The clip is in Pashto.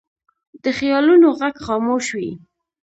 د خیالونو غږ خاموش وي